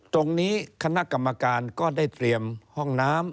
คณะกรรมการก็ได้เตรียมห้องน้ำ